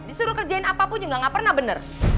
disuruh kerjain apapun juga gak pernah bener